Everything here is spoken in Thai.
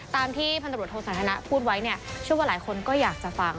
ตามที่พศนธนาพูดไว้เนี่ยช่วงว่าหลายคนก็อยากจะฟัง